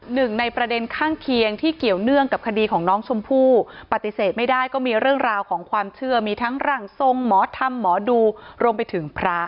หนึ่งในประเด็นข้างเคียงที่เกี่ยวเนื่องกับคดีของน้องชมพู่ปฏิเสธไม่ได้ก็มีเรื่องราวของความเชื่อมีทั้งร่างทรงหมอธรรมหมอดูรวมไปถึงพระ